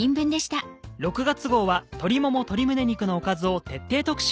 ６月号は鶏もも鶏胸肉のおかずを徹底特集。